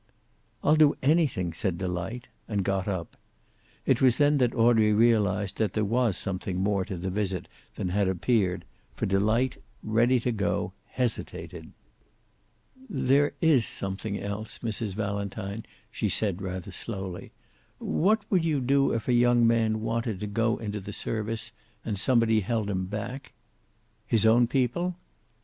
"I'll do anything," said Delight, and got up. It was then that Audrey realized that there was something more to the visit than had appeared, for Delight, ready to go, hesitated. "There is something else, Mrs. Valentine," she said, rather slowly. "What would you do if a young man wanted to go into the service, and somebody held him back?" "His own people?"